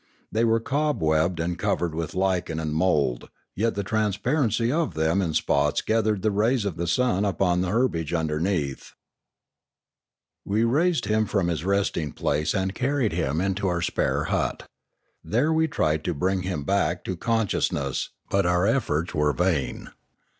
They were cobwebbed and covered with lichen and mould, yet the transparency of them in spots gathered the rays of the sun upon the herbage underneath. We raised him from his resting place and carried him into our spare hut. There we tried to bring him back to consciousness, but our efforts were vain.